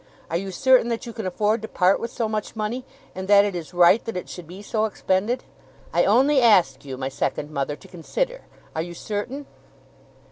Are you certain that you can afford to part with so much money, and that it is right that it should be so expended? I only ask you, my second mother, to consider. Are you certain?